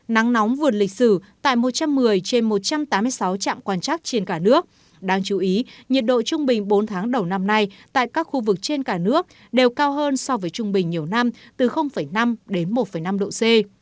nắng nóng vượt lịch sử tại một trăm một mươi trên một trăm tám mươi sáu trạm quan chắc trên cả nước đáng chú ý nhiệt độ trung bình bốn tháng đầu năm nay tại các khu vực trên cả nước đều cao hơn so với trung bình nhiều năm từ năm đến một năm độ c